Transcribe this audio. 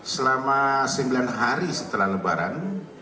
selama sembilan hari setelah lebaran